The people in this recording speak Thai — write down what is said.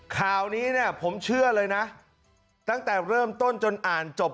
ข่าวนี้เนี่ยผมเชื่อเลยนะตั้งแต่เริ่มต้นจนอ่านจบ